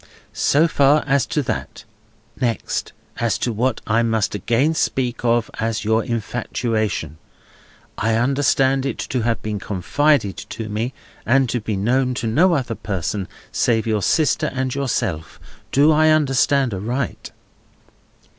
So far, as to that; next as to what I must again speak of as your infatuation. I understand it to have been confided to me, and to be known to no other person save your sister and yourself. Do I understand aright?"